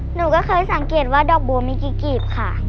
หนูก็เคยสังเกตว่าดอกบัวมีกี่กรีบค่ะ